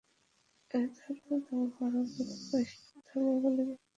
ঐ ধর্মই এখন ভারতবর্ষে বৈষ্ণবধর্ম বলে বিখ্যাত।